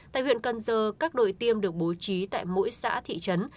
tại huyện cần giờ các đội tiêm được bố trí tại mỗi xã thị trấn